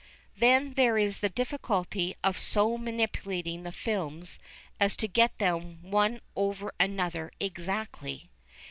Then there is the difficulty of so manipulating the films as to get them one over another exactly.